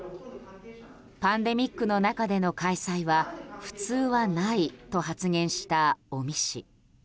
パンデミックの中での開催は普通はないと発言した尾身氏。